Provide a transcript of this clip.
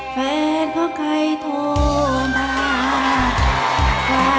แฟนเค้าใครโทรมาหวากคำตา